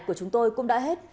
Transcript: của chúng tôi cũng đã hết